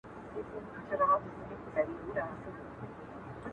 ته مي غېږي ته لوېدلای او په ورو ورو مسېدلای!.